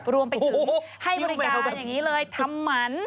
รวมไปถึงให้บริการกันอย่างนี้เลยทำหมัน